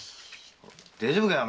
大丈夫かよ？